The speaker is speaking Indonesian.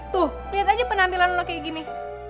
tuh lihat aja penampilan lo kayak gini